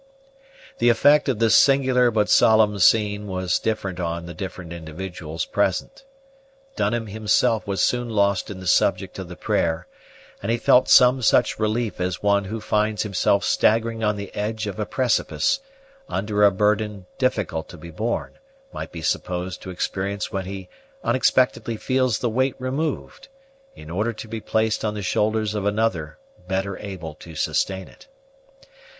The effect of this singular but solemn scene was different on the different individuals present. Dunham himself was soon lost in the subject of the prayer; and he felt some such relief as one who finds himself staggering on the edge of a precipice, under a burthen difficult to be borne, might be supposed to experience when he unexpectedly feels the weight removed, in order to be placed on the shoulders of another better able to sustain it.